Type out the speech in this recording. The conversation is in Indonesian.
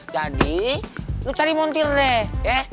jadi lu cari montir deh